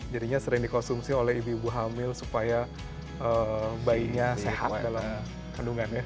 jadinya sering dikonsumsi oleh ibu ibu hamil supaya bayinya sehat dalam kandungannya